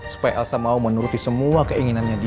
supaya elsa mau menuruti semua keinginannya dia